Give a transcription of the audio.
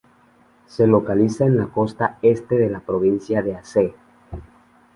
Se localiza en la costa este de la provincia de Aceh.